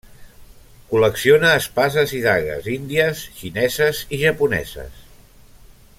Col·lecciona espases i dagues índies, xineses i japoneses.